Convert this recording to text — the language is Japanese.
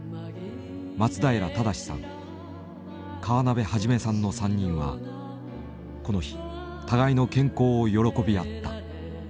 松平精さん河辺一さんの３人はこの日互いの健康を喜び合った。